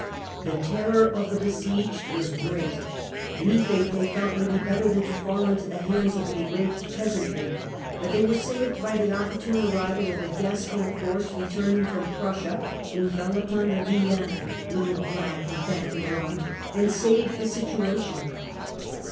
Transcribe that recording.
The terror of the besieged was great, any fate they felt would be better than to fall into the hands of the enraged peasantry ; but they were saved by the opportune arrival of a Gascon force returning from Prussia, who fell upon the villeins "little, black and badly armed," and saved the situation.